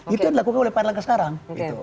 itu yang dilakukan oleh pak erlangga sekarang